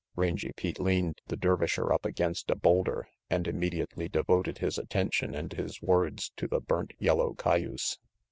Rangy Pete leaned the Dervisher up against a boulder and immediately devoted his attention and his words to the burnt yellow cayuse.